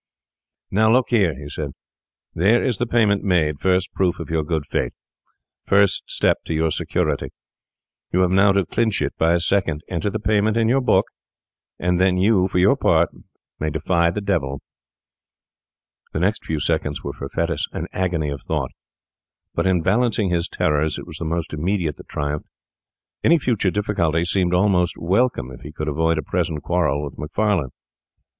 'Now, look here,' he said, 'there is the payment made—first proof of your good faith: first step to your security. You have now to clinch it by a second. Enter the payment in your book, and then you for your part may defy the devil.' The next few seconds were for Fettes an agony of thought; but in balancing his terrors it was the most immediate that triumphed. Any future difficulty seemed almost welcome if he could avoid a present quarrel with Macfarlane.